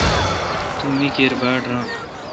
تو می کیر باڑ ران۔